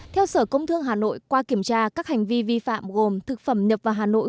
theo sở công thương hà nội qua kiểm tra các hành vi vi phạm gồm thực phẩm nhập vào hà nội